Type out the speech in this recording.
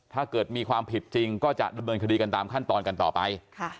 ถ้าเกิดมีความผิดจริงก็จะดำเนินคดีกันตามขั้นตอนกันต่อไป